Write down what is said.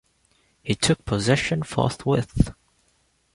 He took possession forthwith.